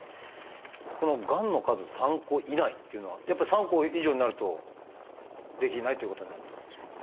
この「がんの数３個以内」っていうのはやっぱり３個以上になるとできないっていうことになるってことですか？